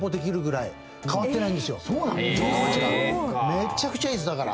めちゃくちゃいいですだから。